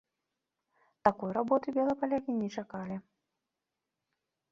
Такой работы белапалякі не чакалі.